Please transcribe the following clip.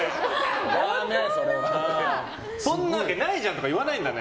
そんなわけないじゃん！とか言わないんですね。